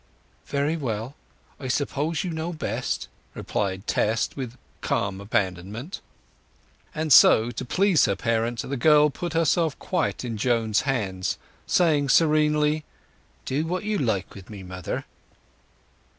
"Very well; I suppose you know best," replied Tess with calm abandonment. And to please her parent the girl put herself quite in Joan's hands, saying serenely—"Do what you like with me, mother."